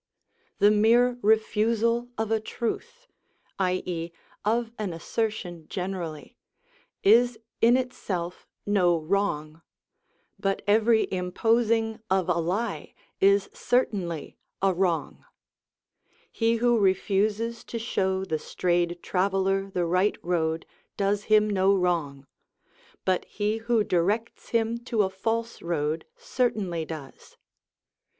The mere refusal of a truth, i.e., of an assertion generally, is in itself no wrong, but every imposing of a lie is certainly a wrong. He who refuses to show the strayed traveller the right road does him no wrong, but he who directs him to a false road certainly does.